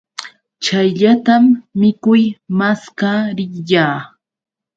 Chayllatam mikuy maskaa riyaa.